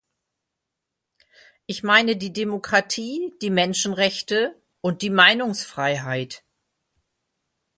Ich meine die Demokratie, die Menschenrechte und die Meinungsfreiheit.